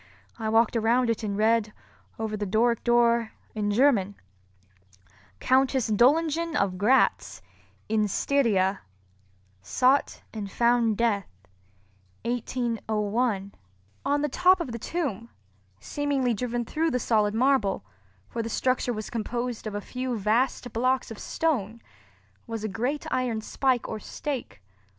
I walked around it and read, over the Doric door, in German— COUNTESS DOLINGEN OF GRATZ IN STYRIA SOUGHT AND FOUND DEATH 1801 On the top of the tomb, seemingly driven through the solid marble—for the structure was composed of a few vast blocks of stone—was a great iron spike or stake.